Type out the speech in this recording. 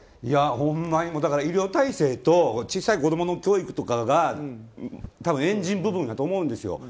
医療体制と小さい子供の教育とかがエンジン部分だと思うんです。